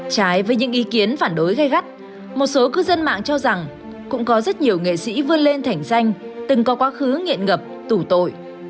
trái với những ý kiến phản đối gây gắt một số cư dân mạng cho rằng cũng có rất nhiều nghệ sĩ vươn lên thành danh từng có quá khứ nghiện ngập tủ tội